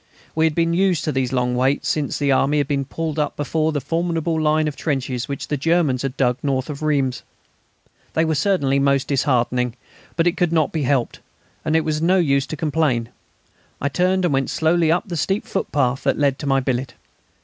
We had been used to these long waits since the army had been pulled up before the formidable line of trenches which the Germans had dug north of Reims. They were certainly most disheartening; but it could not be helped, and it was of no use to complain. I turned and went slowly up the steep footpath that led to my billet.